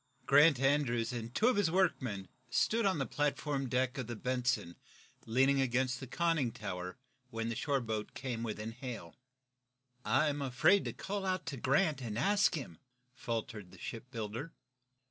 Grant Andrews and two of his workmen stood on the platform deck of the "Benson," leaning against the conning tower, when the shore boat came within hail. "I am afraid to call out to Grant, and ask him," faltered the shipbuilder.